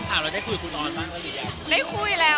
ไม่ไม่ไม่ไม่